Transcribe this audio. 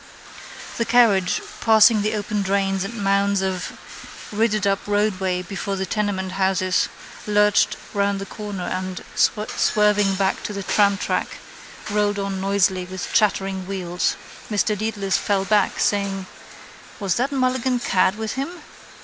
The carriage, passing the open drains and mounds of rippedup roadway before the tenement houses, lurched round the corner and, swerving back to the tramtrack, rolled on noisily with chattering wheels. Mr Dedalus fell back, saying: —Was that Mulligan cad with him?